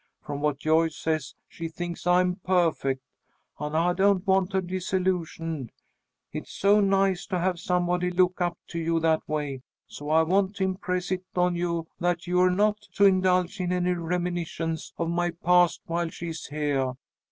From what Joyce says she thinks I am perfect, and I don't want her disillusioned. It's so nice to have somebody look up to you that way, so I want to impress it on you that you're not to indulge in any reminiscence of my past while she is heah.